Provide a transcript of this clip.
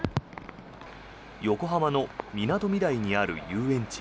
横浜のみなとみらいにある遊園地。